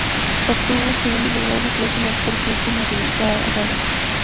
Obtuvo el segundo lugar, detrás del actor Cristián Arriagada.